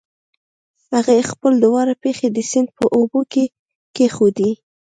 هغې خپلې دواړه پښې د سيند په اوبو کې کېښودې.